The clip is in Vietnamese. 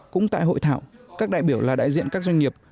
cũng tại hội thảo các đại biểu là đại diện các doanh nghiệp